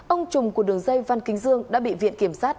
ông trùm của đường dây văn kinh dương đã bị viện kiểm sát